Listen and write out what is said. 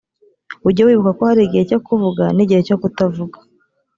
ujye wibuka ko hari igihe cyo kuvuga n igihe cyo kutavuga